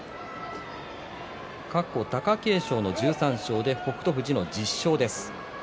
過去、貴景勝の１３勝で北勝富士の１０勝です。